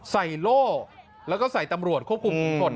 ใส่โล่แล้วก็ใส่ตำรวจควบคุมคน